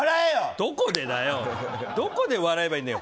どこで笑えばいいんだよ。